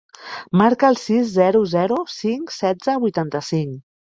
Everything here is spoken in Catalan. Marca el sis, zero, zero, cinc, setze, vuitanta-cinc.